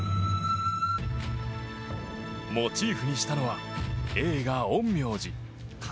モチーフにしたのは映画「陰陽師」。